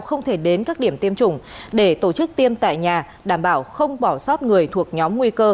không thể đến các điểm tiêm chủng để tổ chức tiêm tại nhà đảm bảo không bỏ sót người thuộc nhóm nguy cơ